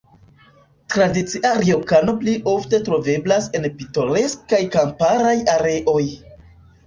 Tradicia rjokano pli ofte troveblas en pitoreskaj kamparaj areoj.